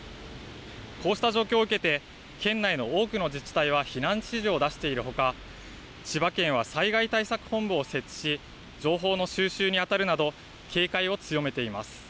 こうした状況を受けて県内の多くの自治体は避難指示を出しているほか千葉県は災害対策本部を設置し情報の収集にあたるなど警戒を強めています。